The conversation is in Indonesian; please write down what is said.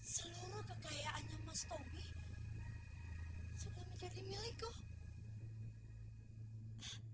seluruh kekayaannya mas tommy sudah menjadi milikku